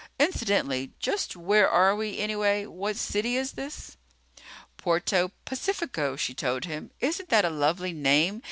"Incidentally, just where are we, anyway? What city is this?" "Puerto Pacifico," she told him. "Isn't that a lovely name?